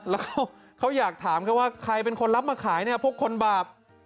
แล้วเขาอยากถามเขาว่าใครเป็นคนรับมาขายเนี่ยพวกคนบาป